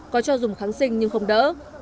có cho dùng kháng sinh nhưng không đỡ